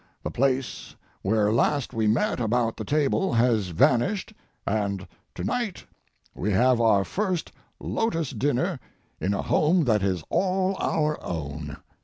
The place where last we met about the table has vanished, and to night we have our first Lotos dinner in a home that is all our own.